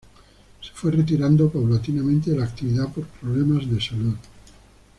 Se fue retirando paulatinamente de la actividad por problemas de salud.